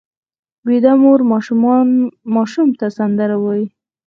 ویده مور ماشوم ته سندره وایي